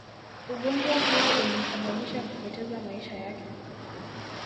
Ugonjwa huo ulimsababisha kupoteza maisha yake